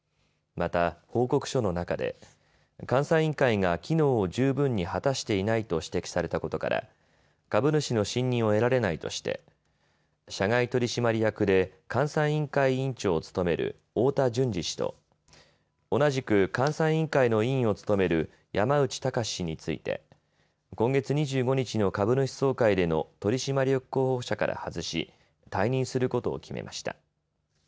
また報告書の中で監査委員会が機能を十分に果たしていないと指摘されたことから株主の信任を得られないとして社外取締役で監査委員会委員長を務める太田順司氏と同じく監査委員会の委員を務める山内卓氏について今月２５日の株主総会での取締役候補者から外し退任することを決めました。